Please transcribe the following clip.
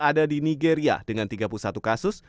ada di nigeria dengan tiga puluh satu kasus